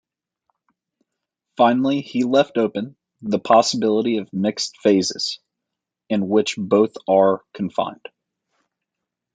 Finally he left open the possibility of mixed phases, in which both are confined.